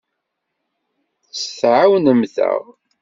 Tɛawnemt-aɣ.